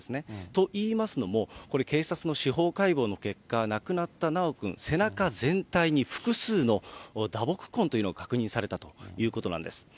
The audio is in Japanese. といいますのも、これ警察の司法解剖の結果、亡くなった修くん、背中全体に複数の打撲痕というのを確認されたということなんです。